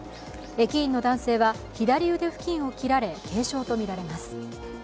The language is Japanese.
駅員の男性は左腕付近を切られ軽傷とみられます。